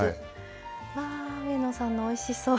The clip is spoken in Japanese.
上野さんの、おいしそう。